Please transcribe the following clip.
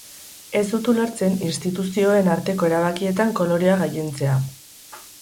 Ez dut ulertzen instituzioen arteko erabakietan kolorea gailentzea.